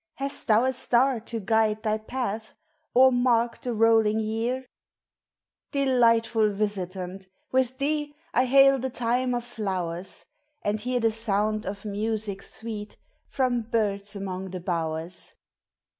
Hast thou a star t<> guide Hi} path, Or mark the polling year? Delightful visitant ' v Itll I hail the time of flowei 290 POEMS OF NATURE. And bear the sound of music sweet From birds among the bowers.